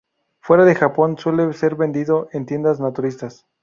Fuera de Japón, suele ser vendido en tiendas naturistas.